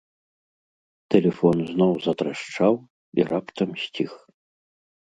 Тэлефон зноў затрашчаў і раптам сціх.